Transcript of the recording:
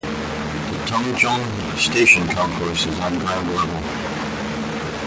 The Tung Chung station concourse is on ground level.